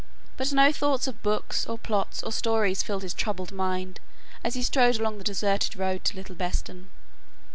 But no thought of books, or plots, or stories filled his troubled mind as he strode along the deserted road to Little Beston.